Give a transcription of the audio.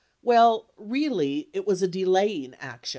Well, really, it was a delaying action.